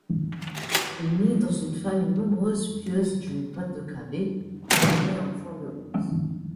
Il naît dans une famille nombreuse pieuse du Pas-de-Calais, dernier enfant de onze.